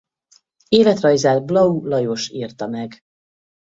Életrajzát Blau Lajos írta meg.